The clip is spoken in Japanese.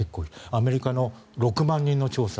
アメリカの６万人の調査